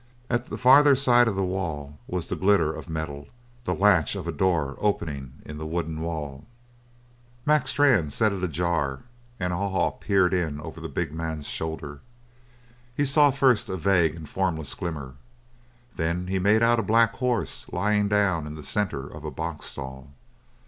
At the farther side of the wall was the glitter of metal the latch of a door opening in the wooden wall. Mac Strann set it ajar and Haw Haw peered in over the big man's shoulder. He saw first a vague and formless glimmer. Then he made out a black horse lying down in the centre of a box stall.